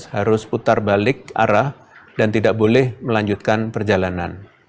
harus putar balik arah dan tidak boleh melanjutkan perjalanan